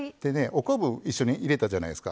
昆布、一緒に入れたじゃないですか。